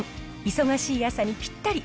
忙しい朝にぴったり。